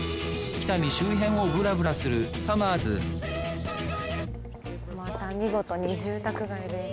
喜多見周辺をブラブラするさまぁずまた見事に住宅街です。